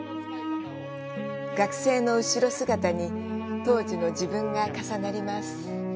学生の後ろ姿に当時の自分が重なります。